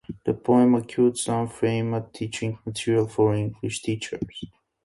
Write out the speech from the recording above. The poem acquired some fame as teaching material for English teachers.